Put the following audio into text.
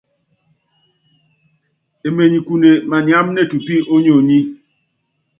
Emenykune maniám ne tupí ó nionyí.